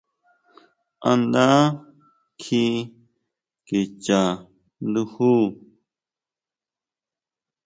¿A nda kjí kicha nduju?